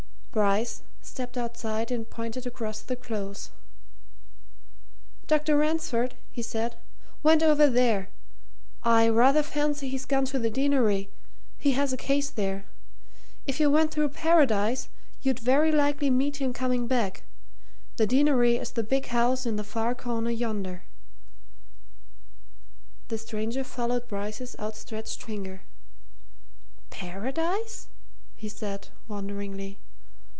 Bryce stepped outside and pointed across the Close. "Dr. Ransford," he said, "went over there I rather fancy he's gone to the Deanery he has a case there. If you went through Paradise, you'd very likely meet him coming back the Deanery is the big house in the far corner yonder." The stranger followed Bryce's outstretched finger. "Paradise?" he said, wonderingly.